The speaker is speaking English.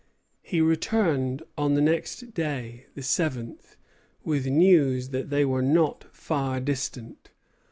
He returned on the next day, the seventh, with news that they were not far distant.